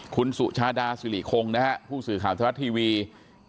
คุณสุชาดาสิริคงผู้สื่อข่าวบันทยาลัยธรรมดาทีวี